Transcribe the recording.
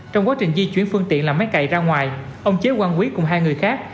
trong quá trình di chuyển phương tiện làm máy cầy ra ngoài ông chế quang quý cùng hai người khác